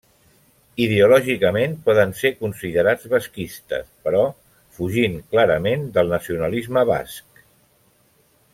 Ideològicament poden ser considerats basquistes però fugint clarament del nacionalisme basc.